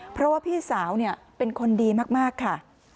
เพราะว่าพี่สาวเป็นคนดีมากค่ะ